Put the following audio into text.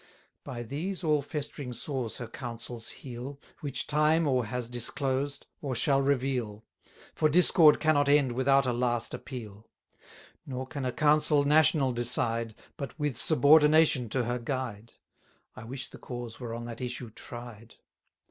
By these all festering sores her Councils heal, Which time or has disclosed, or shall reveal; For discord cannot end without a last appeal. Nor can a Council national decide, 370 But with subordination to her guide; (I wish the cause were on that issue tried.)